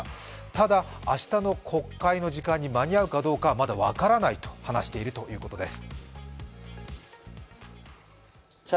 ただ、明日の国会の時間に間に合うかどかはまだ分からないと話しているということです。